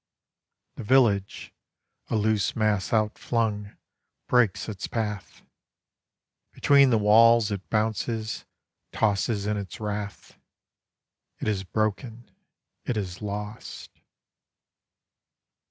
The village, a loose mass outflung, Breaks its path. Between the walls It bounces, tosses in its wrath. It is broken, it is lost.